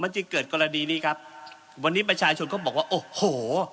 จึงเกิดกรณีนี้ครับวันนี้ประชาชนเขาบอกว่าโอ้โห